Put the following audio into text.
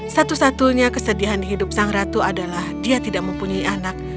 satu satunya kesedihan di hidup sang ratu adalah dia tidak mempunyai anak